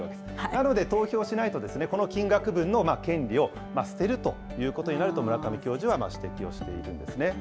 なので、投票しないと、この金額分の権利を捨てるということになると、村上教授は指摘をしているんですね。